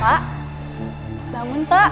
pak bangun pak